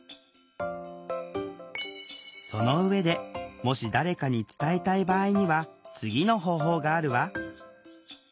その上でもし誰かに伝えたい場合には次の方法があるわ。